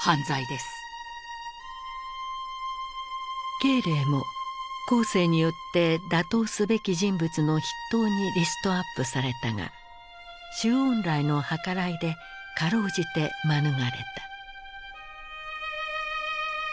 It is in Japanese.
慶齢も江青によって打倒すべき人物の筆頭にリストアップされたが周恩来の計らいで辛うじて免れた。